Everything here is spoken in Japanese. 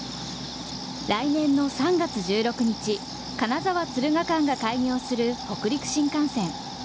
来年の３月１６日、金沢・敦賀間が開業する北陸新幹線。